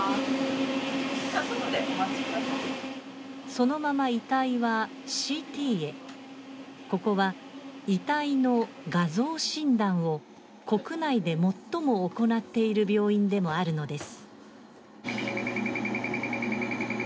そのまま遺体はＣＴへここは遺体の画像診断を国内で最も行っている病院でもあるのです。